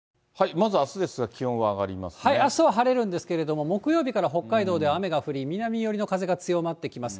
まずはあすですが、あしたは晴れるんですけれども、木曜日から北海道では雨が降り、南寄りの風が強まってきます。